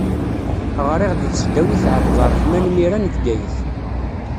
Ɣriɣ deg tesdawit Ɛebderreḥman Mira n Bgayet.